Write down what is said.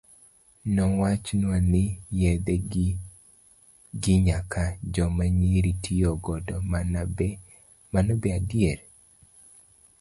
Nowachnwa ni yedhe gi nyaka joma nyiri tiyo godo, mano be adier?